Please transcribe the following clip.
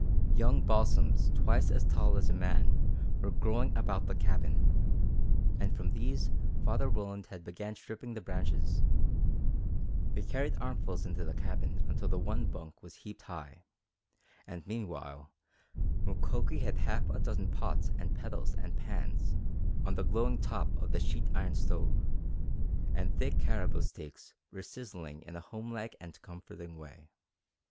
Young balsams twice as tall as a man were growing about the cabin, and from these Father Roland began stripping the branches. They carried armfuls into the cabin until the one bunk was heaped high, and meanwhile Mukoki had half a dozen pots and kettles and pans on the glowing top of the sheet iron stove, and thick caribou steaks were sizzling in a homelike and comforting way.